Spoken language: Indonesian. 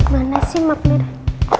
mana sih map merah